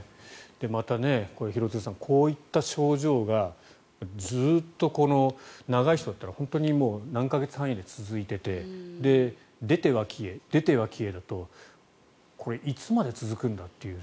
また、廣津留さんこういった症状がずっと長い人だったら本当に何か月単位で続いていて出ては消え、出ては消えだとこれいつまで続くんだっていう。